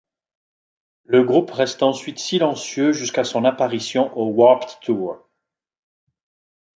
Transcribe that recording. Le groupe reste ensuite silencieux jusqu'à son apparition au Warped Tour.